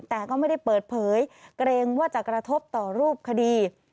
แต่ก็ไม่ได้เปิดเผยเกรงว่าจะกระทบต่อรูปคดี